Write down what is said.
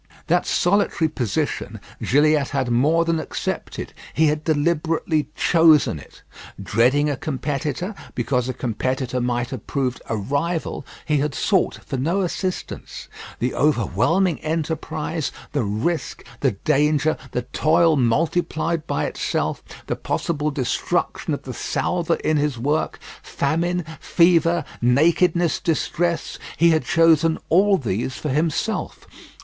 That solitary position Gilliatt had more than accepted; he had deliberately chosen it. Dreading a competitor, because a competitor might have proved a rival, he had sought for no assistance. The overwhelming enterprise, the risk, the danger, the toil multiplied by itself, the possible destruction of the salvor in his work, famine, fever, nakedness, distress he had chosen all these for himself!